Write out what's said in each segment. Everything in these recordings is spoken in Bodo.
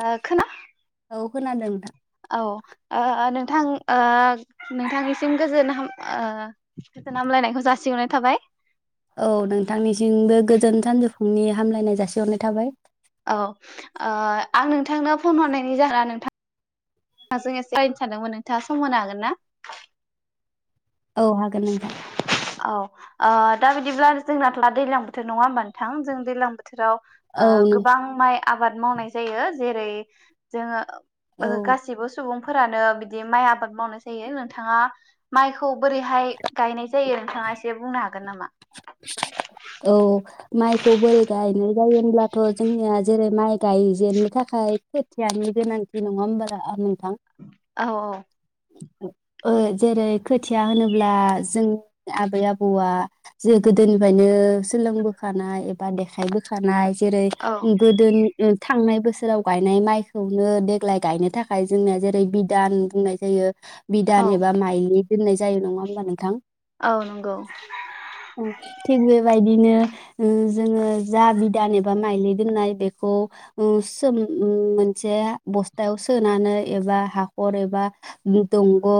ओ खोना। औ खोनादों नोंथां। औ। ओ ओ नोंथां ओ नोंथांनिसिम गोजोन हामलाय। ओ गोथोन हामलायनायखौ जासिहरनाय थाबाय। औ नोंथांनिसिमबो गोजोन सानजौफुंनि हामलायनाय जासिहरनाय थाबाय। औ ओ आं नोंथांनो फन हरनायनि जाहोना नोंथाजों एसे सावरायनो सानदोंमोन नोंथाङा सम होनो हागोन ना। औ हागोन नोंथां। औ ओ दा बिदिब्ला जोंनाथ दैज्लां बोथोर नङा होनबा नोथां जों दैज्लां बोथोर। बोथोराव ओ औ नों गोबां माइ। आबाद मावनाय जायो जेरै जोङो औ ओ गासिबो सुबुं फोरानो बिदि माइ आबाद मावनाय जायो नोंथाङा माइखौ बोरैहाय गायनाय जायो नोंथाङा एसे बुंनो हागोन नामा? औ माइखौ बोरै गायनाय गायो होनब्लाथ जोंनिया जेरै माइ गायजेननो थाखाय खोथियानो गोनांथि नङा होनब्ला औ औ ओ जेरै खोथिया होनोब्ला जोंनि आबै आबौआ जेरै गोदोनिफ्रायनो सोलोंबोखानाय एबा देखायबोखानाय जरै औ गोदोनि नुथा थांनाय बोसोराव गायनाय माइखौनो देग्लाय गायनो थाखाय जोंनिया जेरै बिदान बुंनाय जायो। औ बिदान एबा माइलि दोननाय जायो जायो नङा होनोबा नोंथां? औ नंगौ थिग बेबायदिनो जोङो जा बिदान एबा माइलि दोननाय बेखौ उम सोम उम मोनसे बस्थायाव सोनानै एबा हाखर एबा दंग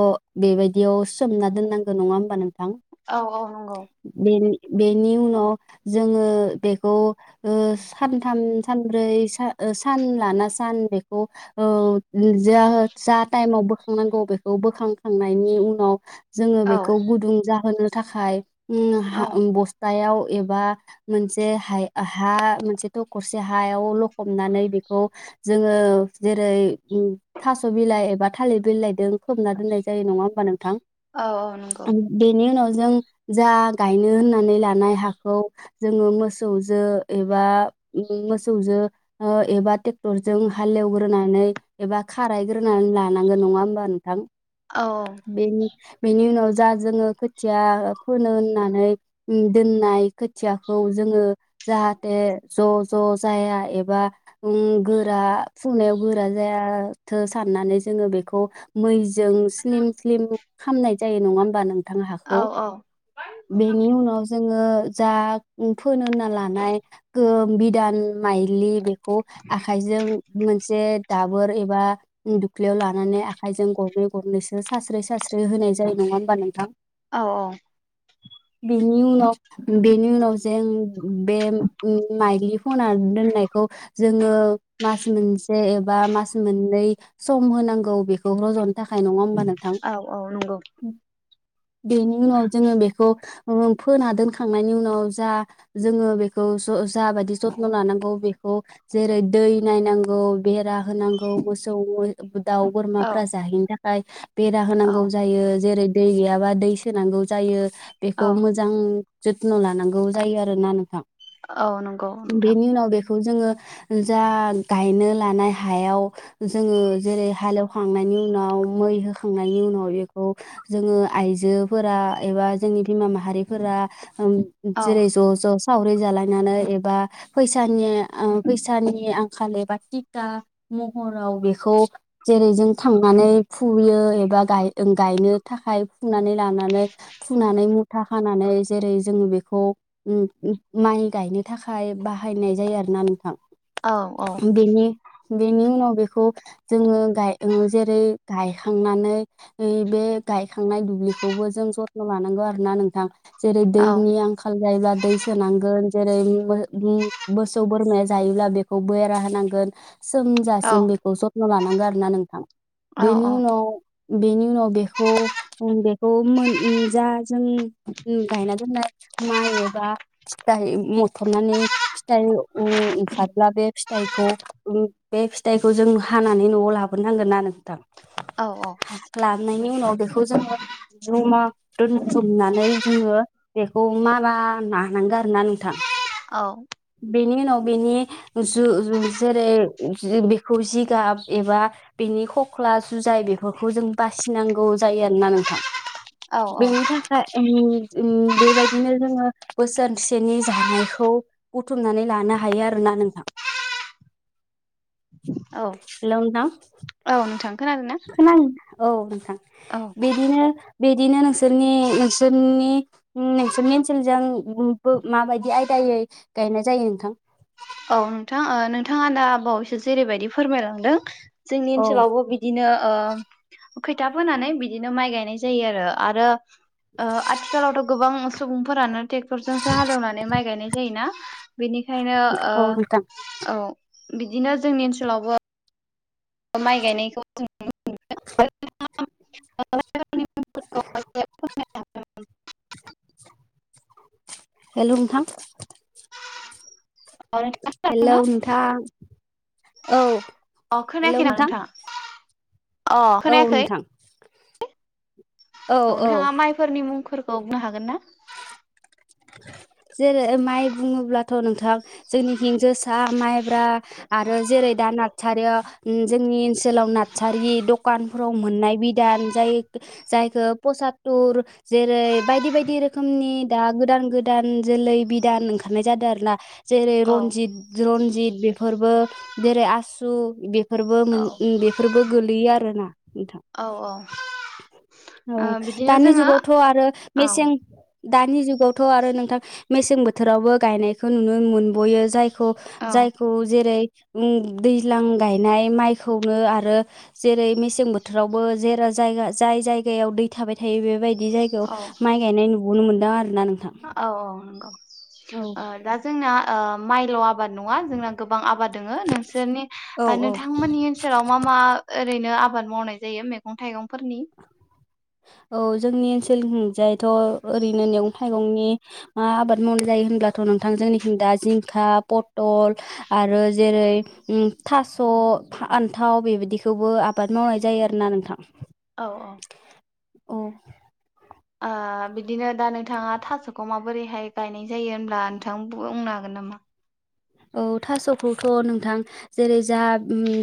बेबायदियाव सोमना दोननांगौ नङा होमबा नोंथां? औ औ नंगौ बे बेनि उनाव जोङो बेखौ ओ सानथाम सानब्रै सान लाना सान बेखौ ओ जा जा टाइमाव बोखांनांगौ बेखौ बोखांखांनायनि उनाव जोङो औ बेखौ गुदुं जाहोनो थाखाय उम औ हा बस्थायाव एबा मोनसे हा मोनसे थखरसे हायाव लखबनानै बेखौ जोङो जेरै थास बिलाइ एबा थालिर बिलाइदों होना दोननाय जायो नङा होमबा नोंथां औ औ नंगौ बेनि उनाव जों जा गायनो होननानै लानाय हाखौ जोङो मोसौजो एबा ओम मोसौजो एबा ट्रेक्टरजों हालेवग्रोनानै एबा खारायग्रोनानै लानांगोन नङा होमबा नोंथां औ बेनि बेनि उनाव जा जोङो खोथिया फोनो होननानै दोननाय खोथियाखौ जोङो जाहाथे ज' ज' जाया एबा उम गोरा फुनायाव गोरा जायाथो साननानै जोङो बेखौ मैजों स्लिम स्लिम खालामामनाय जायो नङा होमबा नों थां औ हाखौ औ बेनि उनाव जों जोङो जा फोनो होनना लानाय गोम बिदान माइलि बे खौ आखाइजों मोनसे दाबोर एबा दुख्लियाव लानानै आखाइजों गरनै गरनैसो सास्रि सास्रि होनाय जायो नङा होमबा नोंथां औ औ बेनि उनाव बेनि उनाव जें बे माइलि फोना दोननायखौ जोङो मास मोनसे एबा मास मोननै सम होनांगौ बेखौ रज'नो थाखाय नङा होम औ औ नंगौ! बेनि उनाव जोङो बेखौ फोना दोनखांनायनि उनाव जा जोङो बेखौ जाबायदि जथन' लानांगौ बेखौ जेरै दै नायनांगौ बेरा होनांगौ मोसौ मै दाउ औ बोरमाफ्रा जाहैयिनि थाखा आइ बेरा औ होनांगौ जायो जेरै दै गैयाबा दै सोनांगौ जायो औ बेखौ मोजां जथ्न' लानांगौ जायो आरो ना नोंथां औ नंगौ नोंथां खौ जोङो जा गायनो लानाय हायाव जोङो जेरै हालेवखांनायनि उनाव मै होखांनायनि उनाव बेखौ जोङो आइजोफोरा- एबा जोंनि बिमा माहारिफोरा ओम औ जेरै ज' ज' सावरि जालायनानै एबा फैसानि ओम फैसानि आंखाल एबा टिका महराव बेखौ जेरै जों थांनानै फुयो एबा गाय ओ गायनो थाखाय फुनानै लानानै फुनानै मुथा खानानै जेरै जोङो बेखौ ओम माइ गायनो थाखाय बाहायनाय जायो आरोना नोंथां औ औ बेनि बेनि उनाव बेखौ जोङो गाय ओ जेरै गायखांनानै ओ बे गायखांनाय दुब्लिखौबो जों ज' न' लानांगौ आरो ना नोंथां जेरै औ दैनि आंखाल जायोब्ला दै सोनांगोन जेरै मो मोसौ बोरमाया जायोब्ला बेखौ बेरा होनांगोन सोमजासिम औ बेखौ जथ न लानांगो आरो ना नोंथां औ बेनि उनाव बेनि उनाव बेखौ ओ बेखौ मोन ओम जा जों गायना दोननाय माइ एबा फिथाइ मथरनानै फिथाइ उ ओंखारब्ला बे फिथाइखौ ओ बे फिथाइखौ जों हानानै न'आव लाबोनांगोन आरो नोंथां औ औ नायनि उनाव बेखौ जोङो जमा दोनथुमनानै जोङो बेखौ मारा नानांगो आरोना नोंथां बेनि उनाव बेनि जु जेरै बेखौ जिगाब एबा बेनि खख्ला जुजाय बेफोरखौ जों बासिनांगौ जायो आरोना नोंथां औ बेनि थाखाय ओम बेबायदिनो जोङो बोसोनसेनि जानायखौ बुथुमनानै लानो हायो आरोोना नोंथां औ हेल' नोंथां औ नोंथां खोनादों ना खोनादों औ नोंथां औ बिदिनो बिदिनो नोंसोरनि नोंसोरनि नोंसोरनि ओनसोलजों माबायदि आयदायै गायनाय जायो नोंथां औ नोंथां ओ नोंथाङा दा बावैसो जेरैबायदि फोरमायलांदों जोंनि औ ओनसोलावबो बिदिनो ओ खैथा फोनानै बिदिनो माइ गायनाय जायो आरो आरो ओ आथिखालावथ' गोबां सुबुंफोरानो टेक टरजों बिनि खायनो ओ औ नोंथां औ बिदिनो जोंनि ओनसोलावबो माइ गायनायखौ जों नुनो मोन [inaudible] हेल' नोंथां हेलौ नोंथां औ अ हेलौ खोनायाखै नामा नोंथां नोंथाङा अ औ खोनायाखै नोंथां औ नोंथाङा माइफोरनि मुंफोर गबनो हागोन ना जेरै माइ बुङोब्लाथ' नोंथां जोंनिखि जोसा माइब्रा आरो जेरै दा नारसारियाव जोंनि ओनसोलाव नारसारि दखानफोराव मोननाय बिदान जाय जायखौ पसाटुर जेरै बायदि बायदि रोखोमनि दा गोदान गोदान जोलै बिदान ओंखारनाय जादों आरोना जेरै औ रनजित र जित बेफोरबो जेरै आसु बेफोरबो औ बेफोरबो गोलैयो आरोना नोंथां औ औ [inaudible] औ ओ बिदिनो दानि जोङो जुगावथ' आरो औ मेसें दानि जुगाव थ' आरो नोंथां मेसें बोथोरावबो गायनायखौ नुनो मोनबोयो जाय औ जायखौ जेरै उम दैज्लां गायनाय माइखौनो आरो जेरै मेसें बोथोरावबो जेर जायगा जाय जायगायाव दै थाबाय थायो बेबायदि दि जायगायाव औ माइ गायनाय नुनो मोनदों आरो ना नोंथां औ औ नंगौ। औ ओ दा जोंङा ओ‌ माइ ल' आ- आबाद नङा जोंना गोबां आबाद दङ नोंसोरनि औ औ नोंथांमोननि ओनसोलाव मा मा ओरैनो आबाद- आबाद मावनाय जायो मैगं-थाइगं - औ जोंनि ओनसो- लनि जायथ' ओरैनो मैगं थाइगंनि मा आबाद मावनाय जायो होनब्लाथ' नोंथां जोंनिथिं दा जिंखा, पथल, आरो जेरै थास', फान्थाव बेबायदिखौबो आबाद मावनाय जायो आरोना नोंथां। औ औ औ ओ बिदिनो दा नोंथाङा थास'खौ माबोरैहाय गायनाय जायो होनब्ला नोंथां बुंनो हागोन नामा? औ थास'खौथ' नोंथां जेरै जा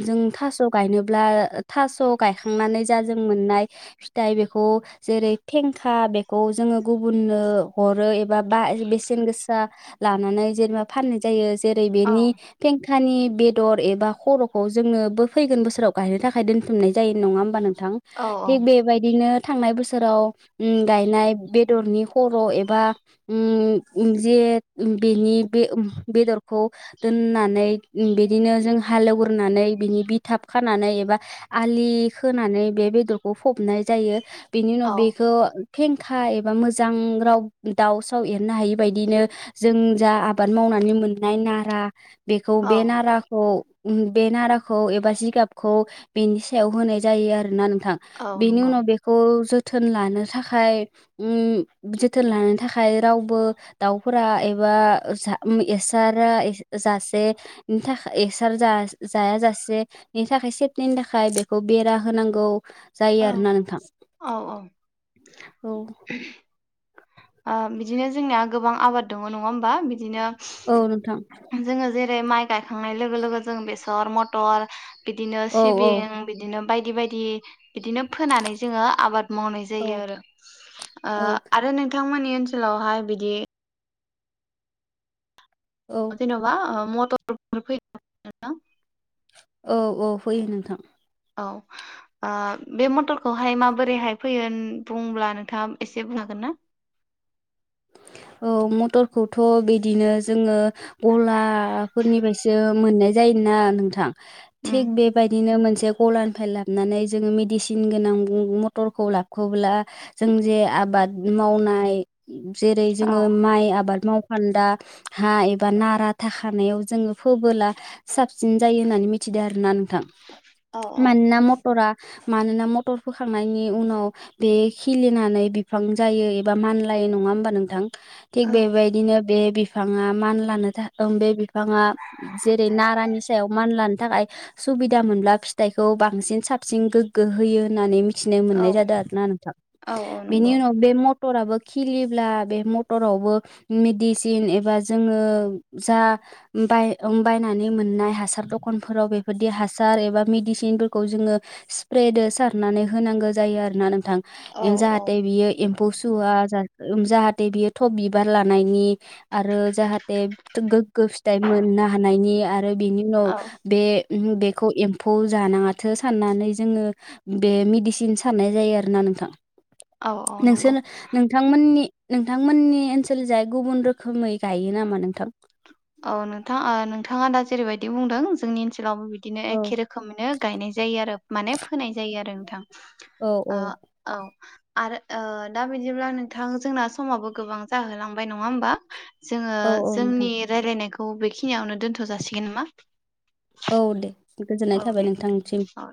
जों थास' गायनोब्ला ओ थास' गायखांनानै जा जों मोननाय फिथाइ बेखौ जेरै फेंखा बेखौ जोङो गुबुननो हरो एबा बा बेसेन गोसा लानानै जेनेबा फाननाय जायो। जेरै औ बेनि फें- खानि बेदर एबा खर'खौ जोंनो बो फैगोन बोसोराव गायनो थाखाय दोनथुमनाय जायो नङा होमबा नों- थां औ थिग बेबायदिनो थांनाय बोसोराव उम गायनाय बेदरनि खर' एबा उम जे बेनि बे बेदर- खौ दोननानै बिदिनो जों हालेवग्रोनानै बिनि बिथाब खानानै एबा आलि खोनानै बे बेदरखौ फबनाय जायो। बिनि उनाव औ बेखौ फेंखा एबा मोजां राव दाव साव एरनो हायि बायदिनो जों जा आबाद मावनानै मोन- नाय नारा बेखौ औ बे नाराखौ बे नाराखौ एबा जिगाबखौ बेनि सायाव होनाय जायो आरो ना नों- थां औ बिनि नंगौ। उनाव बेखौ जोथ - थोन लानो थाखाय उम जोथोन लानो थाखाय रावबो दाउफोरा एबा जा एस - सारा जासे थाखाय एस्सार हो जाया जासे बेनि थाखाय सेफटिनि थाखाय बेखौ बेरा होनांगौ। औ जायो आरोना नोंथां औ औ । औ अ बिदिनो जोंनिया गोबां आबाद दङ नङा होमबा बिदिनो औ नों - थां जोङो जेरै माइ गायखांनाय लोगो लोगो जों बेसर, मटर बिदिनो औ सिबिं बिदिनो बायदि बायदि। बिदिनो फोनानै जोङो आबाद मावनाय औ जायो आरो ओ औ आरो नों बिथांमोननि ओनसोलावहाय बिदि औ जेनबा म - टर [unintelligible] औ औ फैयो नोंथां। औ आ बे मथरखौहाय माबोरैहाय फैयो बुंब्ला नोंथाङा एसे बुंनो हागोन ना? औ मटरखौथ' बिदिनो जोङो गलाफोरनिफ्रायसो मोननाय जायोना नोंथां। उम थिग बेबायदिनो मोन से गलानिफ्राय लाबनानै जोङो मेडिसिन गोनां मटरखौ लाखुब्ला जों जे आबाद मावनाय जेरै औ जोङो माइ आबाद माव खान्दा हा एबा नारा थाखानायाव जोङो फोबोला साबसिन जायो होननानै मिथिदों आरोना नोंथां। औ मानो ना म मथरा मानोना मथर फोखांनायनि उनाव बे खिलिनानै बिफां जायो एबा मान लाय नङा होनबा नोंथां? थिग औ बेबायदिनो बे बि बिफाङा मान लानो थाखाय ओ बे बिफाङा जेरै नारानि सायाव मान लानो थाखाय सुबिदा मोनब्ला फिथाइखौ बांसिन साबसिन गोग्गो होयो होननानै मिथ थिनो औ मोननाय जादों आरोना नोंथां औ औ बेनि नंगौ उनाव बे मथराबो खिलिब्ला बे मथरावबो मेडिसिन एबा जोङो जा बाय बायनानै मोननाय हासार दखानफोराव बे दि हासार एबा मेडिसिनफोरखौ जोङो स्प्रेदो सारनानै होनांगौ जायो आरोना नोंथां। औ ओं औ जाहाथे बियो एम बसुआस जा जाहाथे बियो थब बिबार लानायनि आरो जाहाथे गोग्गो फिथाइ मोननो हानायनि आरो आरो बेनि उनाव औ बे बेखौ एम्फौ जानाङाथो साननानै जोङो बे मेडिसिन साननाय जायो आरोना नोंथां। औ औ नंगौ। मोननि नोंथांमोननि ओनसोल जाय गुबुन रोखोमै गायो नामा नोंथां? औ नोंथां ओ नोंथाङा दा जेरैबायदि बुंदों जोंनिओ लावबो बिदिनो औ एखे रोखोमयैनो गायनाय जायो आरो माने फोनाय जायो आरो। औ औ आ औ। आरो ओ दा बिदिब्ला नोंथां जोंना समाबो गोबां जाहोलांबाय नङा होमबा? जोङो औ औ नोंथां जोंनि नायखौ बेखिनियावनो दोन्थ' जासिगोन नामा। औ दे। गोजोननाय औ थाबाय दे नोंथांसिम। नोंथां औ